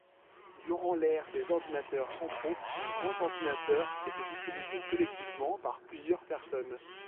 Durant l'ère des ordinateurs centraux, un grand ordinateur était utilisé collectivement par plusieurs personnes.